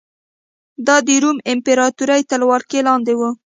دا د روم امپراتورۍ تر ولکې لاندې و